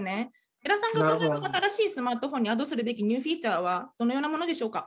江良さんがお考えの新しいスマートフォンにアドするべきニューフィーチャーはどのようなものでしょうか？